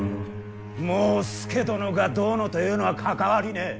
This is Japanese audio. もう佐殿がどうのというのは関わりねえ。